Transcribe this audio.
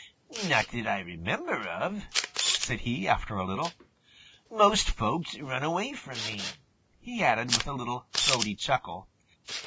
"Not that I remember of," said he after a little. "Most folks run away from me," he added with a little throaty chuckle.